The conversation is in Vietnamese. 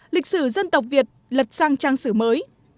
lịch sử dân tộc việt lật sang trang sử mới